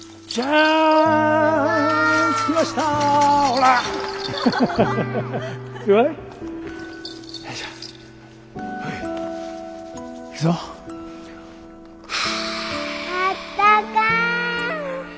あったかい？